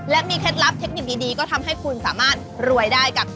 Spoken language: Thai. และมีเคล็ดลับเทคนิคดีก็ทำให้คุณสามารถรวยได้กับ